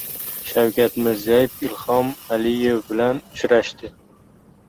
Shavkat Mirziyoyev Ilhom Aliyev bilan uchrashdi